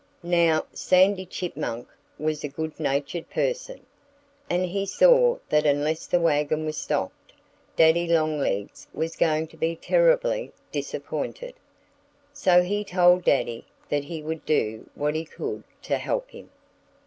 Now, Sandy Chipmunk was a good natured person. And he saw that unless the wagon was stopped, Daddy Longlegs was going to be terribly disappointed. So he told Daddy that he would do what he could to help him.